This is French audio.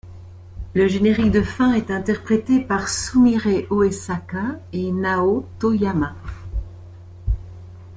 Le générique de fin est interprété par Sumire Uesaka et Nao Tōyama.